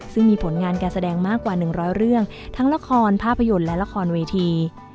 ซึ่งมีผลงานการแสดงมากกว่า๑๐๐เรื่องทั้งละครภาพยนตร์และละครเวที